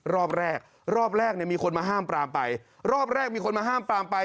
รอบแรกรอบแรกเนี่ยมีคนมาห้ามปรามไปรอบแรกมีคนมาห้ามปรามไป